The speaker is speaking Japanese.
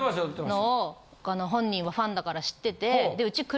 のを本人はファンだから知ってて。